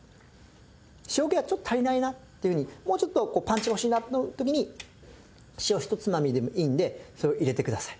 塩気がちょっと足りないなっていうふうにもうちょっとこうパンチが欲しいなって時に塩ひとつまみでもいいのでそれを入れてください。